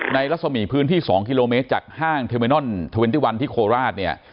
ในละสมีพื้นที่๒กิโลเมตรจากห้างเทอร์เมนอล๒๑ที่โคราชเนี่ย